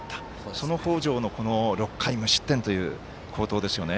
その北條の６回無失点という好投ですよね。